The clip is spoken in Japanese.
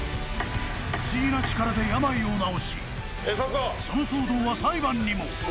不思議な力で病を治しその騒動は裁判にも。